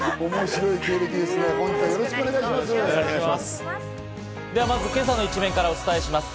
よろしくお願いします。